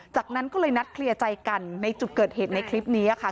จากนั้นก็เลยนัดเคลียร์ใจกันในจุดเกิดเหตุในคลิปนี้ค่ะ